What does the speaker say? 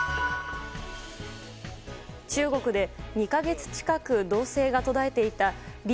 中国で２か月近く動静が途絶えていたリ